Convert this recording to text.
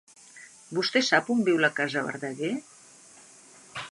Vostè sap on viu la casa Verdaguer?